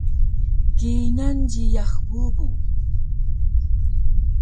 Kingal jiyax bubu